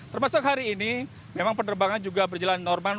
termasuk hari ini memang penerbangan juga berjalan normal